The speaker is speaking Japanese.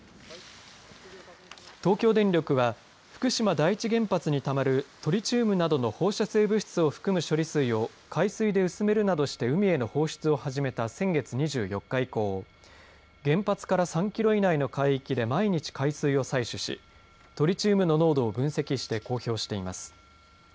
東京電力は福島第一原発にたまるトリチウムなどの放射性物質を含む処理水を海水で薄めるなどして海への放出を始めた先月２４日以降原発から３キロ以内の海域で毎日、海水を採取しトリチウムの濃度を分析して公表しています。